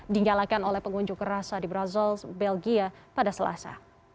dinyalakan oleh pengunjuk rasa di brazil belgia pada selasa